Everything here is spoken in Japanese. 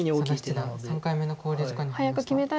佐田七段３回目の考慮時間に入りました。